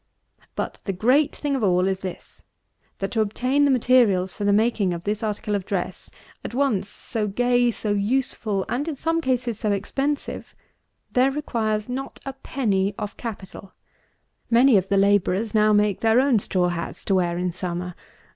But, the great thing of all is this; that, to obtain the materials for the making of this article of dress, at once so gay, so useful, and in some cases so expensive, there requires not a penny of capital. Many of the labourers now make their own straw hats to wear in summer.